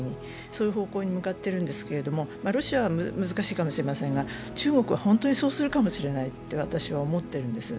そういう方向に向かっているんですが、ロシアは難しいかもしれませんが、中国は本当にそうするかもしれないと私は思ってるんです。